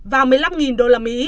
và một mươi năm usd